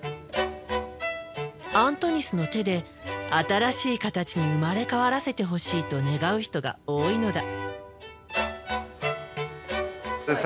アントニスの手で新しい形に生まれ変わらせてほしいと願う人が多いのだ。